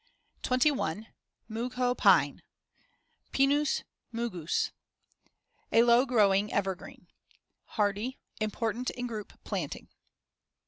21. Mugho pine (Pinus mughus) A low growing evergreen; hardy; important in group planting.